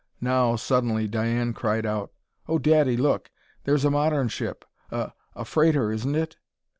Now, suddenly, Diane cried out: "Oh, daddy, look! There's a modern ship! A a freighter, isn't it?"